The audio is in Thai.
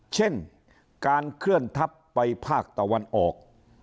เช่นการเคลื่อนทัพไปภาคตะวันออก